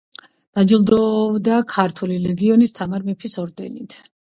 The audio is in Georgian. დაჯილდოვდა ქართული ლეგიონის თამარ მეფის ორდენით.